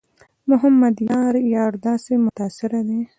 محمد یار یار داسې متاثره دی.